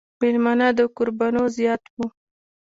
مېلمانۀ د کوربنو زيات وو ـ